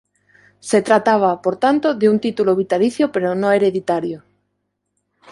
Se trataba, por tanto, de un título vitalicio pero no hereditario.